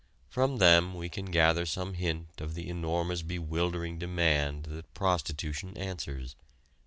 From them we can gather some hint of the enormous bewildering demand that prostitution answers.